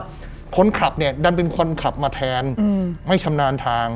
คนขับเนี่ยดันเป็นคนขับมาแทนไม่ชำนาญทาง